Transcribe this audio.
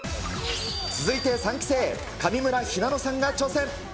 続いて３期生、上村ひなのさんが挑戦。